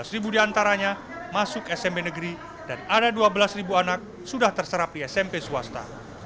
tujuh belas ribu di antaranya masuk smp negeri dan ada dua belas ribu anak sudah terserap di smp swasta